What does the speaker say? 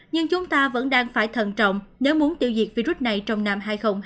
nhưng chúng ta vẫn đang phải thận trọng nếu muốn tiêu diệt virus này trong năm hai nghìn hai mươi